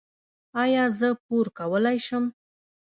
ایا زه پور کولی شم؟